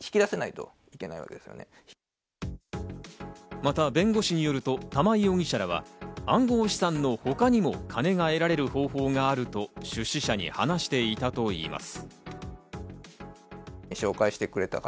また弁護士によると玉井容疑者らは、暗号資産のほかにも金が得られる方法があると出資者に話していたといいます。